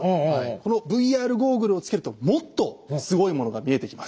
このＶＲゴーグルをつけるともっとすごいものが見えてきます。